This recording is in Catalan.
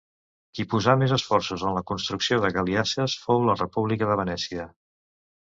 Qui posà més esforços en la construcció de galiasses fou la República de Venècia.